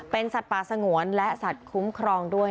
เป็นสัตว์ป่าสงวนและสัตว์คุ้มครองด้วย